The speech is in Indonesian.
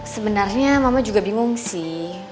sebenarnya mama juga bingung sih